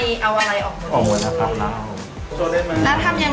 มีน้องบกลดว่าช่วงนี้ตาตกอยู่